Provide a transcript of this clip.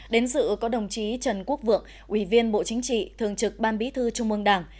đến dự có đồng chí trần quốc vượng ủy viên bộ chính trị thường trực ban bí thư trung ương đảng